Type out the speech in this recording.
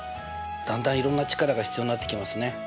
だんだんいろんな力が必要になってきますね。